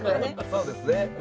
そうですね。